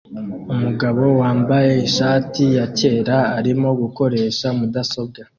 Umugabo wambaye ishati yakera arimo gukoresha mudasobwa